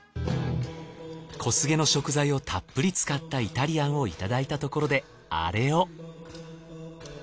小菅の食材をたっぷり使ったイタリアンを頂いたところでアレを。